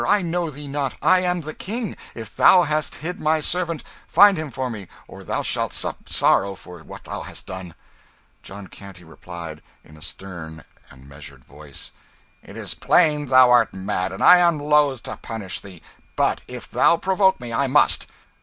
I know thee not. I am the King. If thou hast hid my servant, find him for me, or thou shalt sup sorrow for what thou hast done." John Canty replied, in a stern and measured voice "It is plain thou art mad, and I am loath to punish thee; but if thou provoke me, I must.